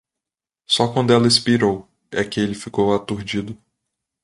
Só quando ela expirou, é que ele ficou aturdido.